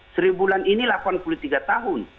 seribu bulan ini delapan puluh tiga tahun